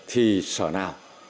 thì sở nào